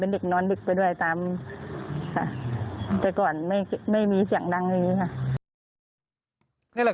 ลูกอะไรอย่างนี้เปล่า